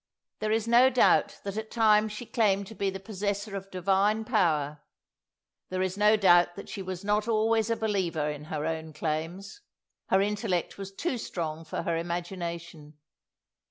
There is no doubt that at times she claimed to be the possessor of divine power; there is no doubt that she was not always a believer in her own claims. Her intellect was too strong for her imagination.